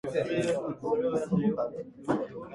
ただ、真夜中にあの家に帰宅することは気が進まなかった